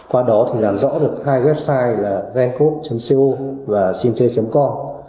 qua đó thì làm rõ được hai website là gancode co và simchay co